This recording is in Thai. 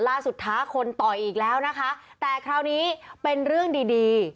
ท้าคนต่อยอีกแล้วนะคะแต่คราวนี้เป็นเรื่องดีดี